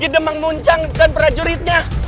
idem mengmuncangkan prajuritnya